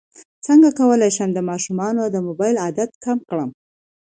څنګه کولی شم د ماشومانو د موبایل عادت کم کړم